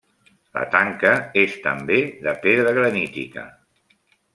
La tanca és també de pedra granítica.